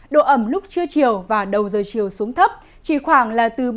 độ ẩm lúc chưa chiều và đầu giờ chiều xuống thấp chỉ khoảng là từ bốn mươi đến năm mươi